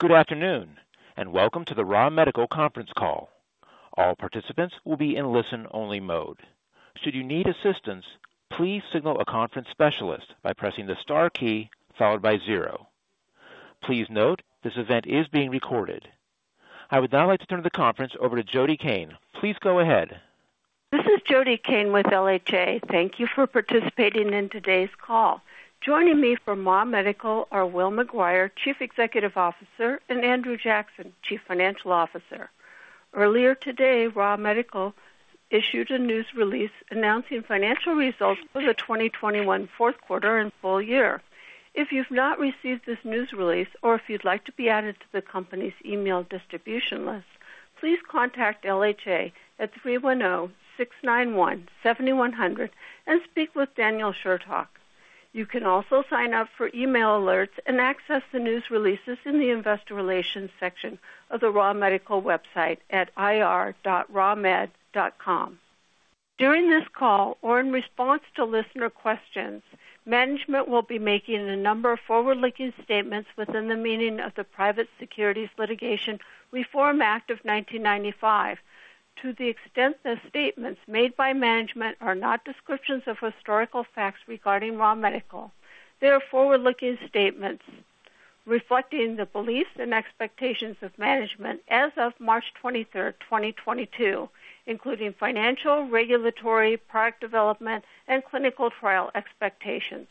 Good afternoon, and welcome to the Ra Medical conference call. All participants will be in listen only mode. Should you need assistance, please signal a conference specialist by pressing the star key followed by zero. Please note this event is being recorded. I would now like to turn the conference over to Jody Cain. Please go ahead. This is Jody Cain with LHA. Thank you for participating in today's call. Joining me from Ra Medical Systems are Will McGuire, Chief Executive Officer, and Andrew Jackson, Chief Financial Officer. Earlier today, Ra Medical Systems issued a news release announcing financial results for the 2021 fourth quarter and full year. If you've not received this news release, or if you'd like to be added to the company's email distribution list, please contact LHA at 310-691-7100 and speak with Daniel Chertok. You can also sign up for email alerts and access the news releases in the investor relations section of the Ra Medical Systems website at ir.ramed.com. During this call, or in response to listener questions, management will be making a number of forward-looking statements within the meaning of the Private Securities Litigation Reform Act of 1995. To the extent the statements made by management are not descriptions of historical facts regarding Ra Medical Systems, they are forward-looking statements reflecting the beliefs and expectations of management as of March 23, 2022, including financial, regulatory, product development, and clinical trial expectations.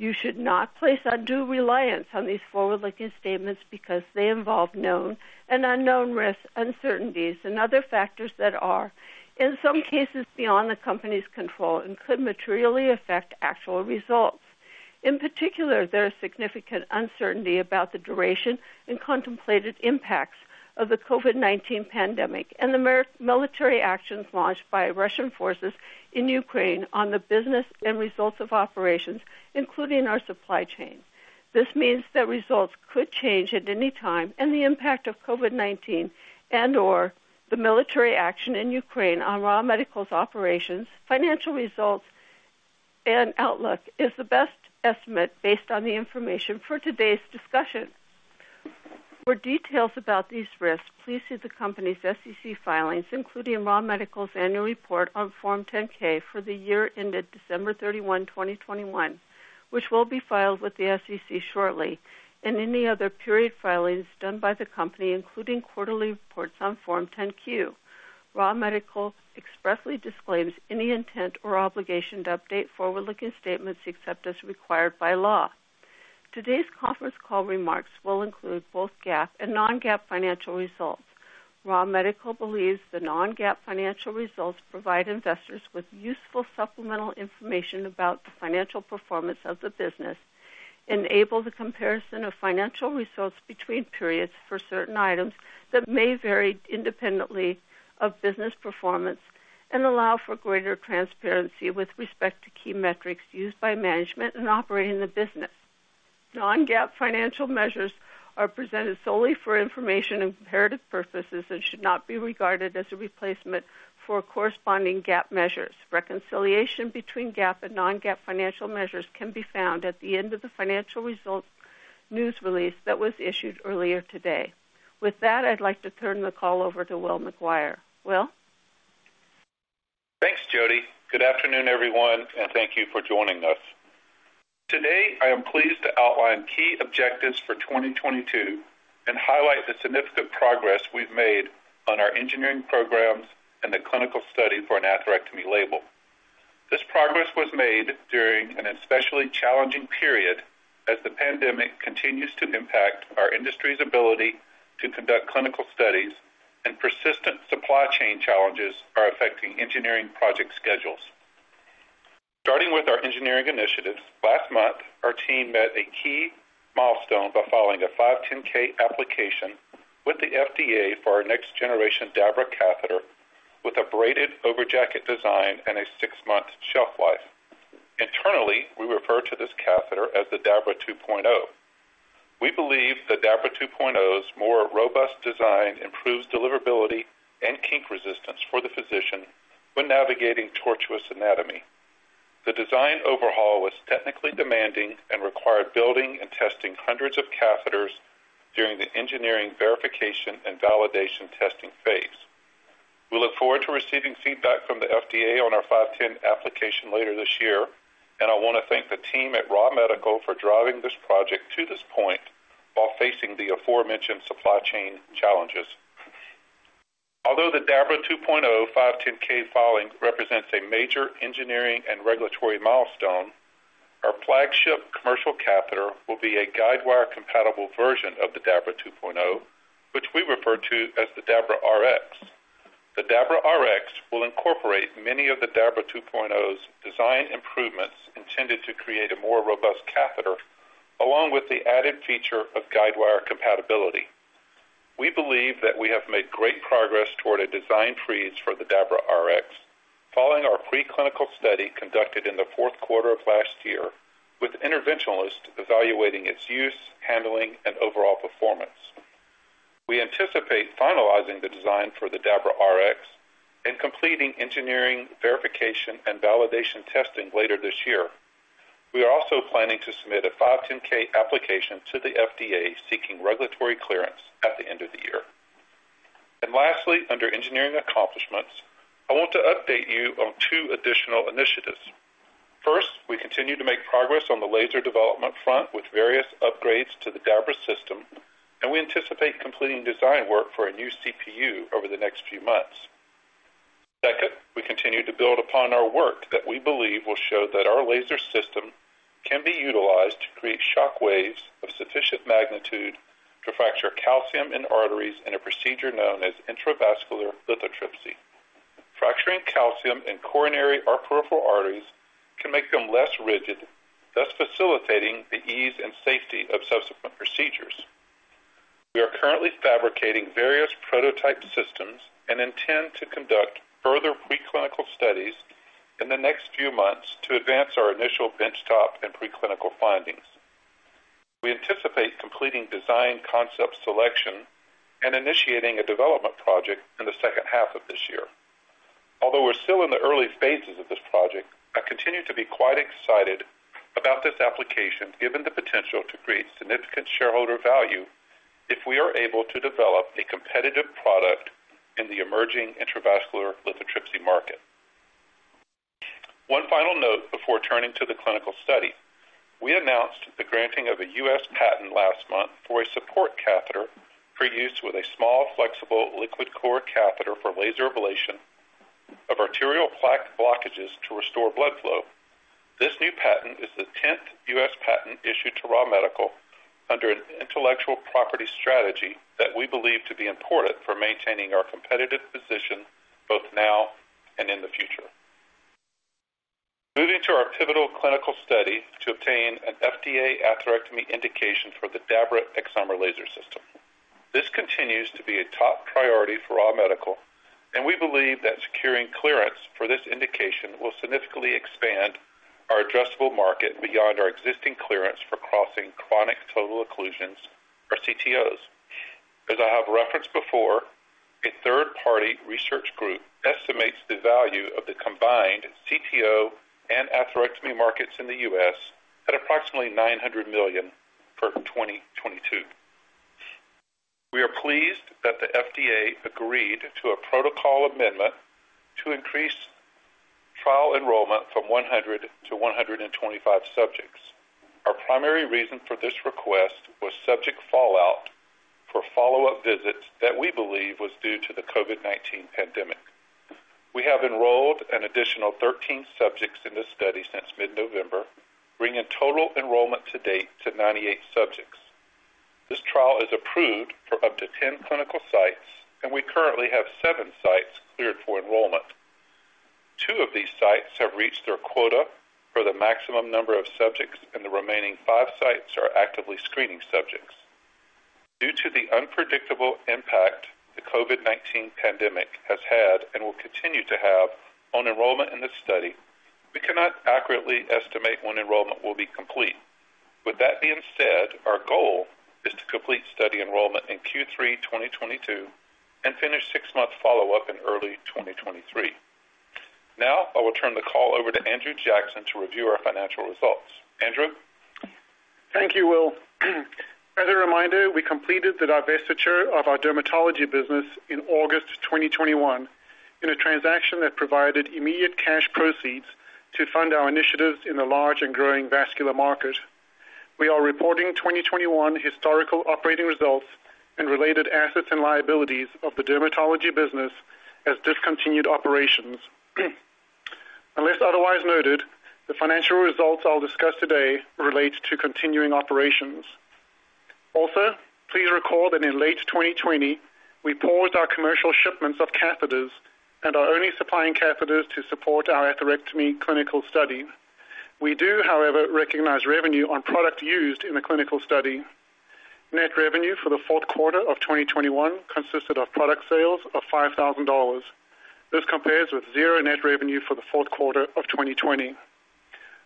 You should not place undue reliance on these forward-looking statements because they involve known and unknown risks, uncertainties, and other factors that are, in some cases, beyond the company's control and could materially affect actual results. In particular, there is significant uncertainty about the duration and contemplated impacts of the COVID-19 pandemic and the military actions launched by Russian forces in Ukraine on the business and results of operations, including our supply chain. This means that results could change at any time, and the impact of COVID-19 and/or the military action in Ukraine on Ra Medical's operations, financial results, and outlook is the best estimate based on the information for today's discussion. For details about these risks, please see the company's SEC filings, including Ra Medical's annual report on Form 10-K for the year ended December 31, 2021, which will be filed with the SEC shortly, and any other periodic filings done by the company, including quarterly reports on Form 10-Q. Ra Medical expressly disclaims any intent or obligation to update forward-looking statements except as required by law. Today's conference call remarks will include both GAAP and non-GAAP financial results. Ra Medical Systems believes the non-GAAP financial results provide investors with useful supplemental information about the financial performance of the business, enable the comparison of financial results between periods for certain items that may vary independently of business performance, and allow for greater transparency with respect to key metrics used by management in operating the business. Non-GAAP financial measures are presented solely for information and comparative purposes and should not be regarded as a replacement for corresponding GAAP measures. Reconciliation between GAAP and non-GAAP financial measures can be found at the end of the financial results news release that was issued earlier today. With that, I'd like to turn the call over to Will McGuire. Will? Thanks, Jody. Good afternoon, everyone, and thank you for joining us. Today, I am pleased to outline key objectives for 2022 and highlight the significant progress we've made on our engineering programs and the clinical study for an atherectomy label. This progress was made during an especially challenging period as the pandemic continues to impact our industry's ability to conduct clinical studies and persistent supply chain challenges are affecting engineering project schedules. Starting with our engineering initiatives, last month, our team met a key milestone by filing a 510(k) application with the FDA for our next generation DABRA catheter with a braided overjacket design and a six-month shelf life. Internally, we refer to this catheter as the DABRA 2.0. We believe the DABRA 2.0's more robust design improves deliverability and kink resistance for the physician when navigating tortuous anatomy. The design overhaul was technically demanding and required building and testing hundreds of catheters during the engineering verification and validation testing phase. We look forward to receiving feedback from the FDA on our 510(k) application later this year, and I want to thank the team at Ra Medical Systems for driving this project to this point while facing the aforementioned supply chain challenges. Although the DABRA 2.0 510(k) filing represents a major engineering and regulatory milestone, our flagship commercial catheter will be a guidewire-compatible version of the DABRA 2.0, which we refer to as the DABRA Rx. The DABRA Rx will incorporate many of the DABRA 2.0's design improvements intended to create a more robust catheter, along with the added feature of guidewire compatibility. We believe that we have made great progress toward a design freeze for the DABRA Rx following our pre-clinical study conducted in the fourth quarter of last year with interventionalists evaluating its use, handling, and overall performance. We anticipate finalizing the design for the DABRA Rx and completing engineering verification and validation testing later this year. We are also planning to submit a 510(k) application to the FDA seeking regulatory clearance at the end of the year. Lastly, under engineering accomplishments, I want to update you on two additional initiatives. First, we continue to make progress on the laser development front with various upgrades to the DABRA system, and we anticipate completing design work for a new CPU over the next few months. Second, we continue to build upon our work that we believe will show that our laser system can be utilized to create shockwaves of sufficient magnitude to fracture calcium in arteries in a procedure known as intravascular lithotripsy. Fracturing calcium in coronary or peripheral arteries can make them less rigid, thus facilitating the ease and safety of subsequent procedures. We are currently fabricating various prototype systems and intend to conduct further preclinical studies in the next few months to advance our initial benchtop and preclinical findings. We anticipate completing design concept selection and initiating a development project in the second half of this year. Although we're still in the early phases of this project, I continue to be quite excited about this application, given the potential to create significant shareholder value if we are able to develop a competitive product in the emerging intravascular lithotripsy market. One final note before turning to the clinical study. We announced the granting of a U.S. patent last month for a support catheter for use with a small, flexible liquid core catheter for laser ablation of arterial plaque blockages to restore blood flow. This new patent is the 10th U.S. patent issued to Ra Medical Systems under an intellectual property strategy that we believe to be important for maintaining our competitive position both now and in the future. Moving to our pivotal clinical study to obtain an FDA atherectomy indication for the DABRA Excimer Laser System. This continues to be a top priority for Ra Medical Systems, and we believe that securing clearance for this indication will significantly expand our addressable market beyond our existing clearance for crossing chronic total occlusions or CTOs. As I have referenced before, a third-party research group estimates the value of the combined CTO and atherectomy markets in the U.S. at approximately $900 million for 2022. We are pleased that the FDA agreed to a protocol amendment to increase trial enrollment from 100 to 125 subjects. Our primary reason for this request was subject fallout for follow-up visits that we believe was due to the COVID-19 pandemic. We have enrolled an additional 13 subjects in this study since mid-November, bringing total enrollment to date to 98 subjects. This trial is approved for up to 10 clinical sites, and we currently have seven sites cleared for enrollment. Two of these sites have reached their quota for the maximum number of subjects, and the remaining five sites are actively screening subjects. Due to the unpredictable impact the COVID-19 pandemic has had and will continue to have on enrollment in this study, we cannot accurately estimate when enrollment will be complete. With that being said, our goal is to complete study enrollment in Q3 2022 and finish six months follow up in early 2023. Now I will turn the call over to Andrew Jackson to review our financial results. Andrew. Thank you, Will. As a reminder, we completed the divestiture of our dermatology business in August 2021 in a transaction that provided immediate cash proceeds to fund our initiatives in the large and growing vascular market. We are reporting 2021 historical operating results and related assets and liabilities of the dermatology business as discontinued operations. Unless otherwise noted, the financial results I'll discuss today relate to continuing operations. Also, please recall that in late 2020, we paused our commercial shipments of catheters and are only supplying catheters to support our atherectomy clinical study. We do, however, recognize revenue on product used in the clinical study. Net revenue for the fourth quarter of 2021 consisted of product sales of $5,000. This compares with 0 net revenue for the fourth quarter of 2020.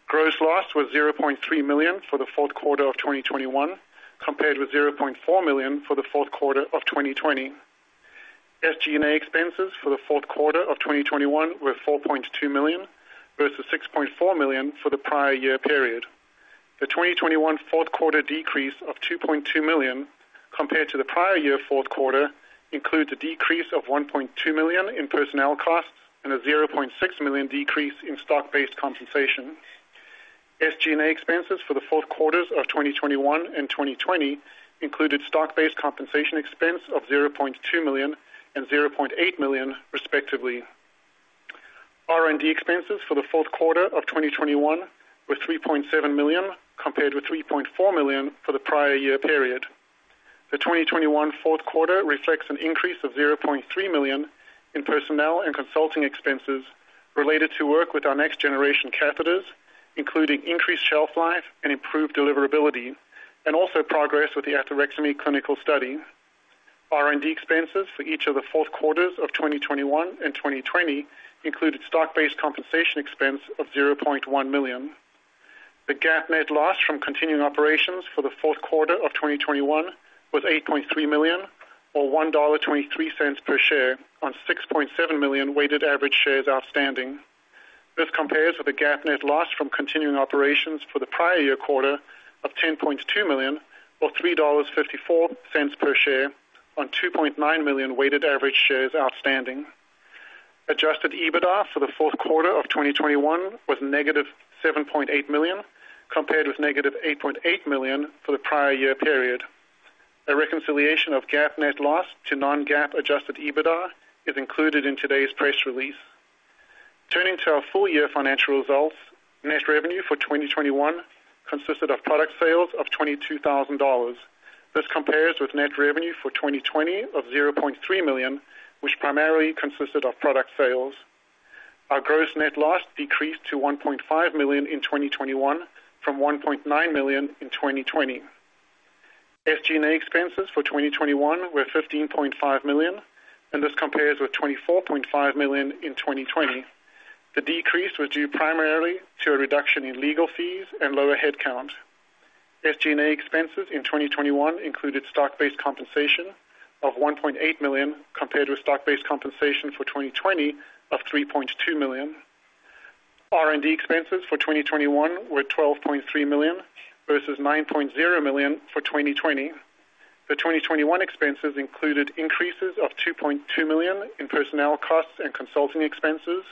Gross loss was $0.3 million for the fourth quarter of 2021, compared with $0.4 million for the fourth quarter of 2020. SG&A expenses for the fourth quarter of 2021 were $4.2 million versus $6.4 million for the prior year period. The 2021 fourth quarter decrease of $2.2 million compared to the prior year fourth quarter includes a decrease of $1.2 million in personnel costs and a $0.6 million decrease in stock-based compensation. SG&A expenses for the fourth quarters of 2021 and 2020 included stock-based compensation expense of $0.2 million and $0.8 million, respectively. R&D expenses for the fourth quarter of 2021 were $3.7 million, compared with $3.4 million for the prior year period. The 2021 fourth quarter reflects an increase of $0.3 million in personnel and consulting expenses related to work with our next generation catheters, including increased shelf life and improved deliverability, and also progress with the atherectomy clinical study. R&D expenses for each of the fourth quarters of 2021 and 2020 included stock-based compensation expense of $0.1 million. The GAAP net loss from continuing operations for the fourth quarter of 2021 was $8.3 million, or $1.23 per share on 6.7 million weighted average shares outstanding. This compares with the GAAP net loss from continuing operations for the prior year quarter of $10.2 million, or $3.54 per share on 2.9 million weighted average shares outstanding. Adjusted EBITDA for the fourth quarter of 2021 was negative $7.8 million, compared with negative $8.8 million for the prior year period. A reconciliation of GAAP net loss to non-GAAP adjusted EBITDA is included in today's press release. Turning to our full year financial results. Net revenue for 2021 consisted of product sales of $22,000. This compares with net revenue for 2020 of $0.3 million, which primarily consisted of product sales. Our gross net loss decreased to $1.5 million in 2021 from $1.9 million in 2020. SG&A expenses for 2021 were $15.5 million, and this compares with $24.5 million in 2020. The decrease was due primarily to a reduction in legal fees and lower headcount. SG&A expenses in 2021 included stock-based compensation of $1.8 million, compared to stock-based compensation for 2020 of $3.2 million. R&D expenses for 2021 were $12.3 million versus $9.0 million for 2020. The 2021 expenses included increases of $2.2 million in personnel costs and consulting expenses,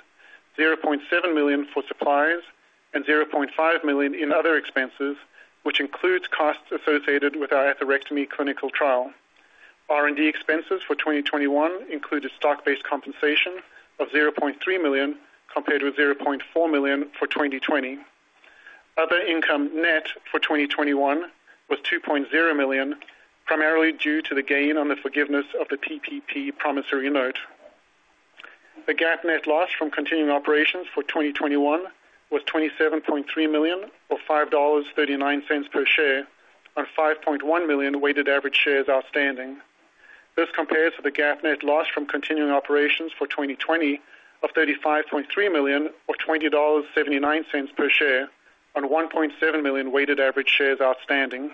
$0.7 million for supplies and $0.5 million in other expenses, which includes costs associated with our atherectomy clinical trial. R&D expenses for 2021 included stock-based compensation of $0.3 million, compared with $0.4 million for 2020. Other income net for 2021 was $2.0 million, primarily due to the gain on the forgiveness of the PPP promissory note. The GAAP net loss from continuing operations for 2021 was $27.3 million, or $5.39 per share on 5.1 million weighted average shares outstanding. This compares to the GAAP net loss from continuing operations for 2020 of $35.3 million or $20.79 per share on 1.7 million weighted average shares outstanding.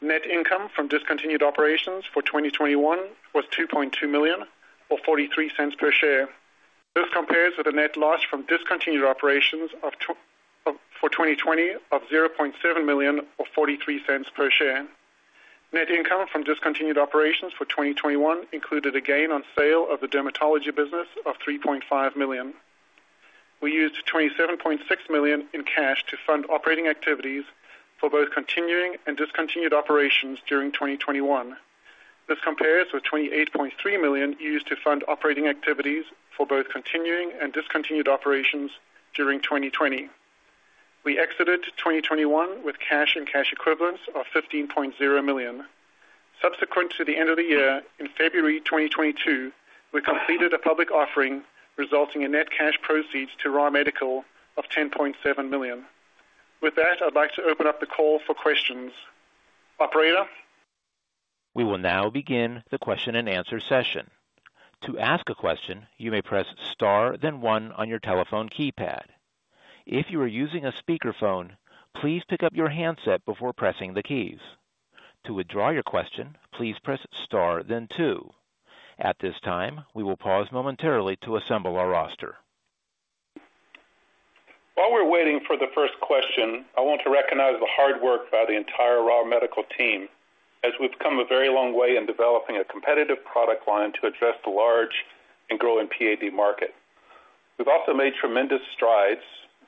Net income from discontinued operations for 2021 was $2.2 million or $0.43 per share. This compares with a net loss from discontinued operations for 2020 of $0.7 million or $0.43 per share. Net income from discontinued operations for 2021 included a gain on sale of the dermatology business of $3.5 million. We used $27.6 million in cash to fund operating activities for both continuing and discontinued operations during 2021. This compares with $28.3 million used to fund operating activities for both continuing and discontinued operations during 2020. We exited 2021 with cash and cash equivalents of $15.0 million. Subsequent to the end of the year, in February 2022, we completed a public offering resulting in net cash proceeds to Ra Medical of $10.7 million. With that, I'd like to open up the call for questions. Operator? We will now begin the question-and-answer session. To ask a question, you may press star then one on your telephone keypad. If you are using a speakerphone, please pick up your handset before pressing the keys. To withdraw your question, please press star then two. At this time, we will pause momentarily to assemble our roster. While we're waiting for the first question, I want to recognize the hard work by the entire Ra Medical Systems team as we've come a very long way in developing a competitive product line to address the large and growing PAD market. We've also made tremendous strides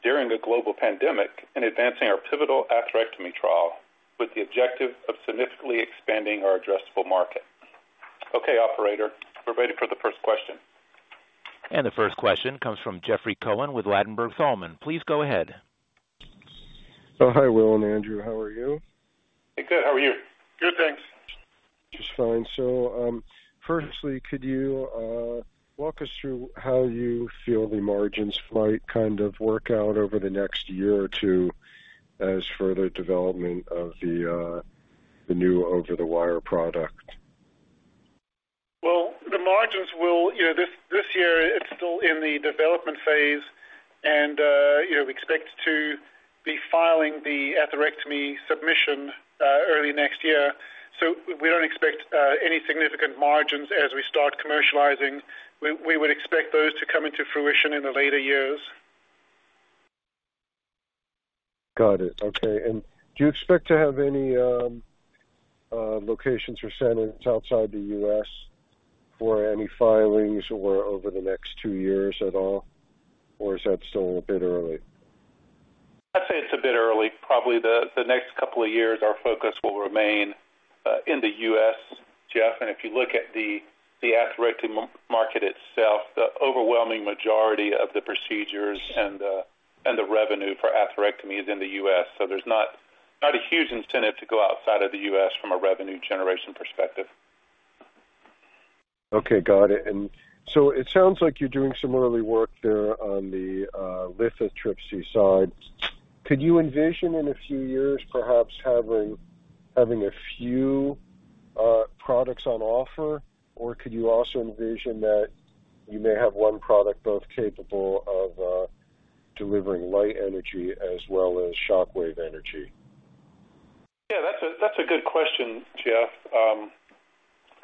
during the global pandemic in advancing our pivotal atherectomy trial with the objective of significantly expanding our addressable market. Okay, operator. We're ready for the first question. The first question comes from Jeffrey Cohen with Ladenburg Thalmann. Please go ahead. Oh, hi, Will and Andrew. How are you? Good. How are you? Good, thanks. Just fine. Firstly, could you walk us through how you feel the margins might kind of work out over the next year or two as further development of the new over-the-wire product? You know, this year it's still in the development phase. You know, we expect to be filing the atherectomy submission early next year, so we don't expect any significant margins as we start commercializing. We would expect those to come into fruition in the later years. Got it. Okay. Do you expect to have any locations or centers outside the U.S. for any filings or over the next two years at all, or is that still a bit early? I'd say it's a bit early. Probably the next couple of years, our focus will remain in the U.S., Jeff. If you look at the atherectomy market itself, the overwhelming majority of the procedures and the revenue for atherectomy is in the U.S. There's not a huge incentive to go outside of the U.S. from a revenue generation perspective. Okay, got it. It sounds like you're doing some early work there on the lithotripsy side. Could you envision in a few years perhaps having a few products on offer, or could you also envision that you may have one product both capable of delivering light energy as well as shockwave energy? Yeah, that's a good question, Jeff.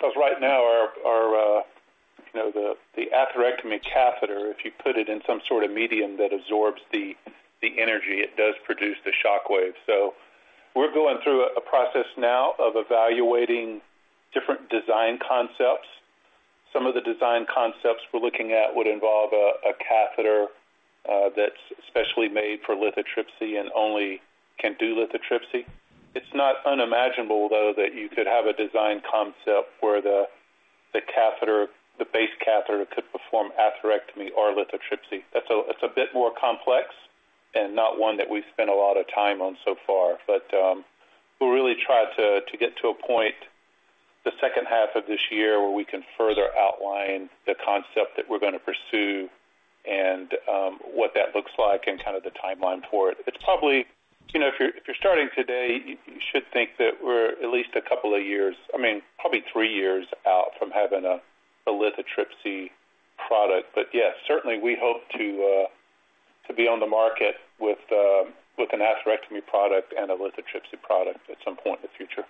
'Cause right now our you know the atherectomy catheter, if you put it in some sort of medium that absorbs the energy, it does produce the shockwave. We're going through a process now of evaluating different design concepts. Some of the design concepts we're looking at would involve a catheter that's specially made for lithotripsy and only can do lithotripsy. It's not unimaginable, though, that you could have a design concept where the catheter, the base catheter could perform atherectomy or lithotripsy. It's a bit more complex and not one that we've spent a lot of time on so far. We'll really try to get to a point the second half of this year where we can further outline the concept that we're gonna pursue and what that looks like and kind of the timeline for it. It's probably, you know, if you're starting today, you should think that we're at least a couple of years, I mean, probably three years out from having a lithotripsy product. Yeah, certainly we hope to be on the market with an atherectomy product and a lithotripsy product at some point in the future.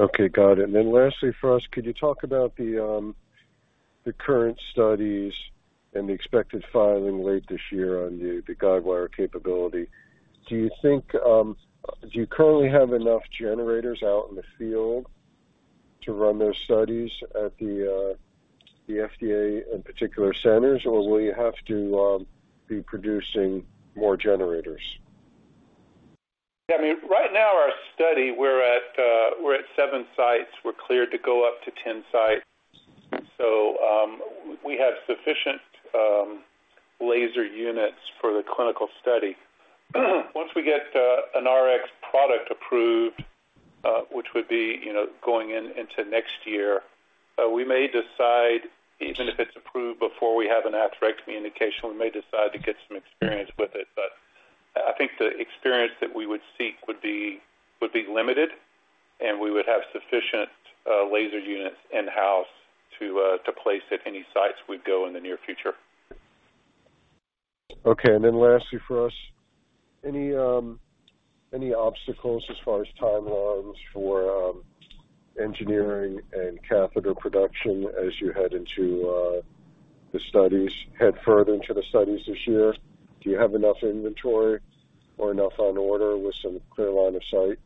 Okay. Got it. Lastly for us, could you talk about the current studies and the expected filing late this year on the guidewire capability? Do you currently have enough generators out in the field to run those studies at the FDA and particular centers, or will you have to be producing more generators? Yeah, I mean, right now our study we're at seven sites. We're clear to go up to 10 sites. We have sufficient laser units for the clinical study. Once we get an Rx product approved, which would be, you know, going into next year, we may decide even if it's approved before we have an atherectomy indication, we may decide to get some experience with it. But I think the experience that we would seek would be limited, and we would have sufficient laser units in-house to place at any sites we'd go in the near future. Okay. Lastly for us, any obstacles as far as timelines for engineering and catheter production as you head further into the studies this year? Do you have enough inventory or enough on order with some clear line of sight?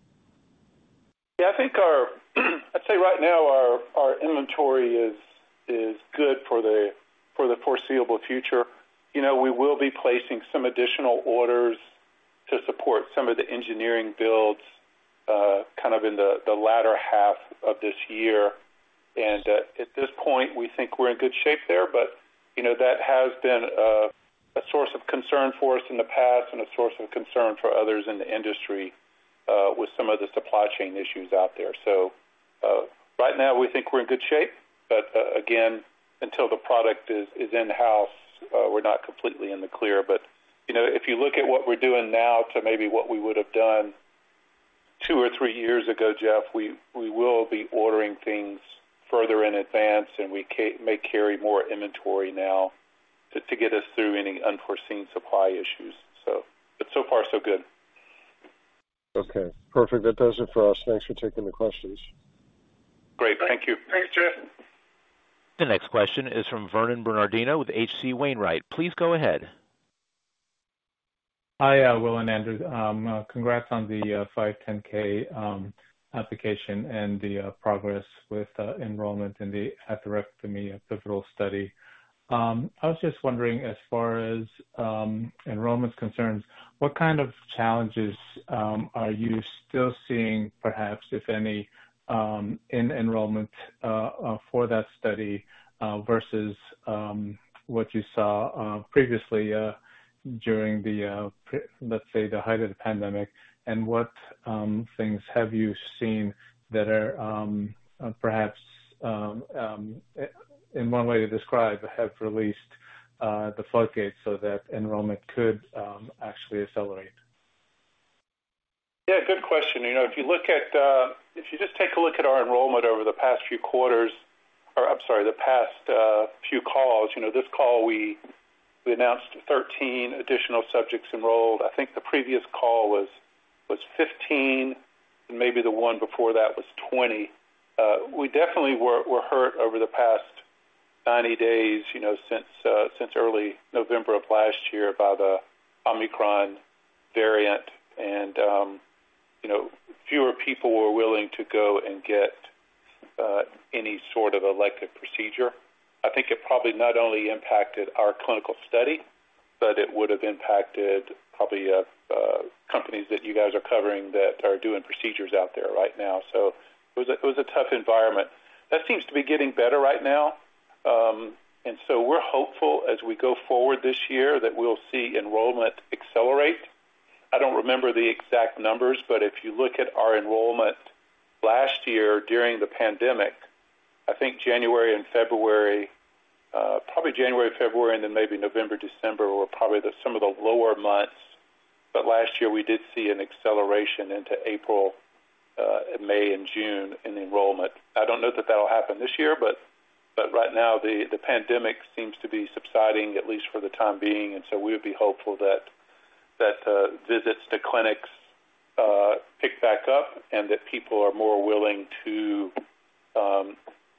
Yeah, I think I'd say right now our inventory is good for the foreseeable future. You know, we will be placing some additional orders to support some of the engineering builds, kind of in the latter half of this year. At this point, we think we're in good shape there. You know, that has been a source of concern for us in the past and a source of concern for others in the industry with some of the supply chain issues out there. Right now we think we're in good shape, but again, until the product is in-house, we're not completely in the clear. You know, if you look at what we're doing now to maybe what we would have done two or three years ago, Jeff, we will be ordering things further in advance, and we may carry more inventory now to get us through any unforeseen supply issues. So far so good. Okay, perfect. That does it for us. Thanks for taking the questions. Great. Thank you. Thanks, Jeff. The next question is from Vernon Bernardino with H.C. Wainwright. Please go ahead. Hi, Will and Andrew. Congrats on the 510(k) application and the progress with enrollment in the atherectomy pivotal study. I was just wondering, as far as enrollment concerns, what kind of challenges are you still seeing, perhaps, if any, in enrollment for that study versus what you saw previously during the, let's say, the height of the pandemic, and what things have you seen that are, perhaps, in one way to describe, have released the floodgates so that enrollment could actually accelerate? Yeah, good question. You know, if you just take a look at our enrollment over the past few quarters or, I'm sorry, the past few calls, you know, this call we announced 13 additional subjects enrolled. I think the previous call was 15, and maybe the one before that was 20. We definitely were hurt over the past 90 days, you know, since early November of last year by the Omicron variant. You know, fewer people were willing to go and get any sort of elective procedure. I think it probably not only impacted our clinical study, but it would have impacted probably companies that you guys are covering that are doing procedures out there right now. It was a tough environment. That seems to be getting better right now. We're hopeful as we go forward this year that we'll see enrollment accelerate. I don't remember the exact numbers, but if you look at our enrollment last year during the pandemic, I think January and February, probably January, February, and then maybe November, December were probably some of the lower months. Last year, we did see an acceleration into April, May and June in enrollment. I don't know that that'll happen this year, but right now, the pandemic seems to be subsiding, at least for the time being. We would be hopeful that that visits to clinics pick back up and that people are more willing to,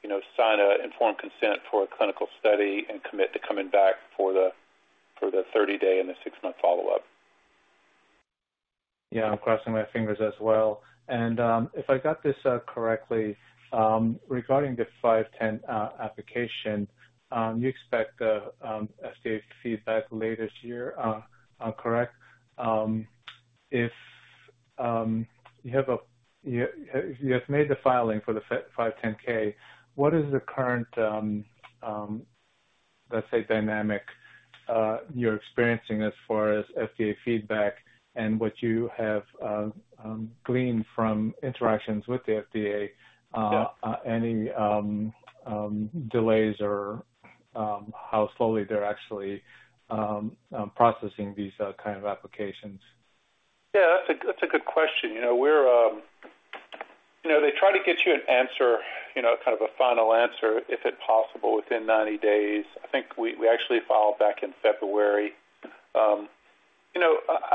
you know, sign an informed consent for a clinical study and commit to coming back for the 30-day and the six-month follow-up. Yeah, I'm crossing my fingers as well. If I got this correctly, regarding the 510(k) application, you expect the FDA feedback late this year, correct? If you have made the filing for the 510(k), what is the current, let's say, dynamic you're experiencing as far as FDA feedback and what you have gleaned from interactions with the FDA? Yeah. Any delays or how slowly they're actually processing these kind of applications? Yeah, that's a good question. You know, they try to get you an answer, you know, kind of a final answer, if at all possible within 90 days. I think we actually filed back in February.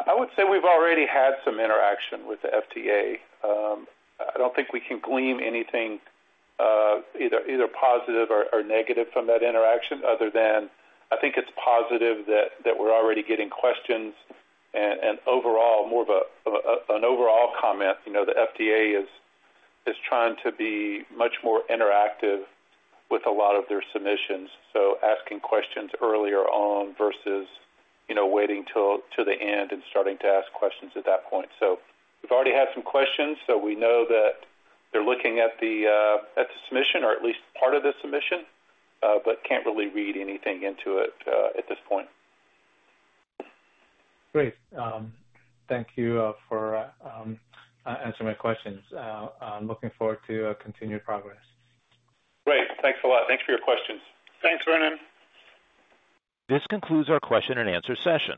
I would say we've already had some interaction with the FDA. I don't think we can glean anything, either positive or negative from that interaction other than I think it's positive that we're already getting questions and overall more of an overall comment. You know, the FDA is trying to be much more interactive with a lot of their submissions, so asking questions earlier on versus, you know, waiting till the end and starting to ask questions at that point. We've already had some questions, so we know that they're looking at the submission or at least part of the submission, but can't really read anything into it at this point. Great. Thank you for answering my questions. I'm looking forward to continued progress. Great. Thanks a lot. Thanks for your questions. Thanks, Vernon. This concludes our question and answer session.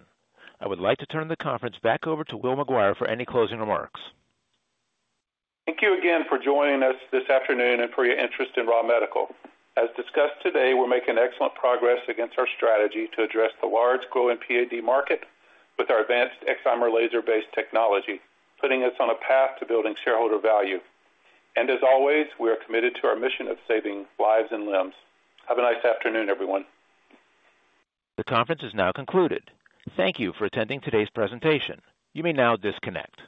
I would like to turn the conference back over to Will McGuire for any closing remarks. Thank you again for joining us this afternoon and for your interest in Ra Medical. As discussed today, we're making excellent progress against our strategy to address the large growing PAD market with our advanced Excimer laser-based technology, putting us on a path to building shareholder value. As always, we are committed to our mission of saving lives and limbs. Have a nice afternoon, everyone. The conference is now concluded. Thank you for attending today's presentation. You may now disconnect.